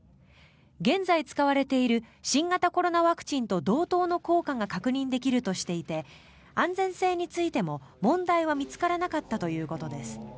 現在使われている新型コロナワクチンと同等の効果が確認できるとしていて安全性についても問題は見つからなかったということです。